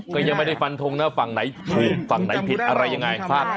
ก็ยังไม่ได้ฟันทงนะฝั่งไหนถูกฝั่งไหนผิดอะไรยังไง